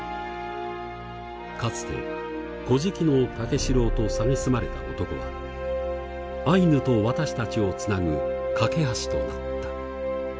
かつて「乞食の武四郎」と蔑まれた男はアイヌと私たちをつなぐ懸け橋となった。